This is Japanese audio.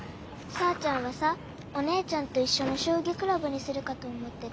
さーちゃんはさお姉ちゃんといっしょのしょうぎクラブにするかと思ってた。